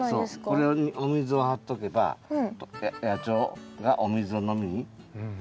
これにお水を張っとけば野鳥がお水を飲みにやって来ます。